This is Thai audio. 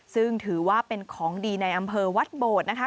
ซึ่งถือว่าเป็นของดีในอำเภอวัดโบดนะคะ